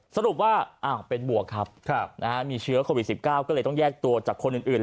สรุปว่าเป็นบวกครับมีเชื้อโควิด๑๙ก็เลยต้องแยกตัวจากคนอื่น